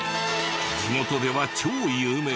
地元では超有名。